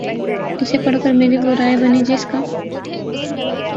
اسے پڑھ کر میری وہ رائے بنی جس کا